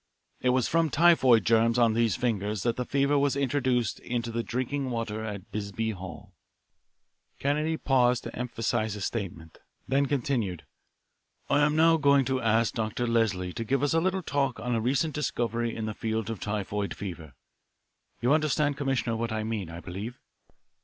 It was from typhoid germs on these fingers that the fever was introduced into the drinking water at Bisbee Hall." Kennedy paused to emphasise the statement, then continued. "I am now going to ask Dr. Leslie to give us a little talk on a recent discovery in the field of typhoid fever you understand, Commissioner, what I mean, I believe?"